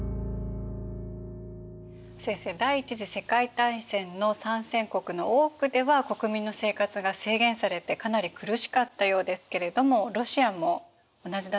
先生第一次世界大戦の参戦国の多くでは国民の生活が制限されてかなり苦しかったようですけれどもロシアも同じだったんでしょうか？